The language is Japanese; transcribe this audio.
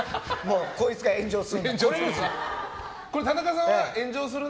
こいつが炎上するの。